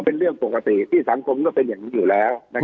เป็นเรื่องปกติที่สังคมก็เป็นอย่างนี้อยู่แล้ว